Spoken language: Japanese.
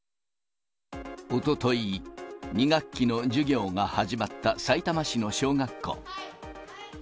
おととい、２学期の授業が始まったさいたま市の小学校。